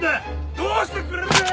どうしてくれんだよ！